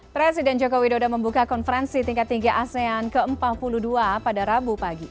presiden joko widodo membuka konferensi tingkat tinggi asean ke empat puluh dua pada rabu pagi